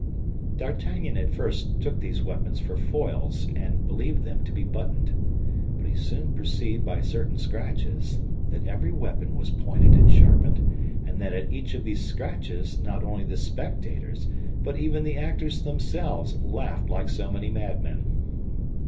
D'Artagnan at first took these weapons for foils, and believed them to be buttoned; but he soon perceived by certain scratches that every weapon was pointed and sharpened, and that at each of these scratches not only the spectators, but even the actors themselves, laughed like so many madmen.